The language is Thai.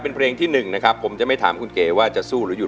เป็นเพลงที่หนึ่งนะครับผมจะไม่ถามคุณเก๋ว่าจะสู้หรือห